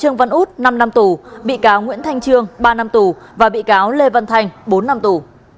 năm năm tù bị cáo nguyễn thanh trương ba năm tù và bị cáo lê văn thanh bốn năm tù